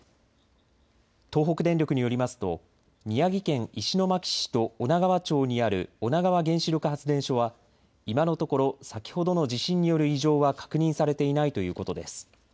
東北電力によりますと宮城県石巻市と女川町にある女川原子力発電所は今のところ先ほどの地震による異常は確認されていないということです。